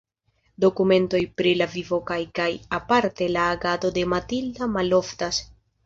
Dokumentoj pri la vivo kaj kaj aparte la agado de Matilda maloftas.